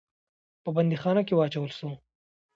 په بندیخانه کې واچول سو.